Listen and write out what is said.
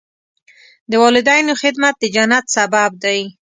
د والدینو خدمت د جنت سبب دی.